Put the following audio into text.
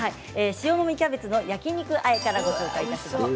塩もみキャベツの焼き肉あえからご紹介します。